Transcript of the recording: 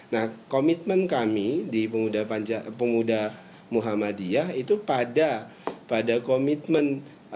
nah komitmen kami di pemuda muhammadiyah itu pada komitmen